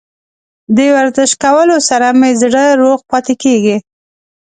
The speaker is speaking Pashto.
د ورزش کولو سره مې زړه روغ پاتې کیږي.